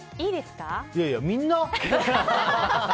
いやいや、みんな？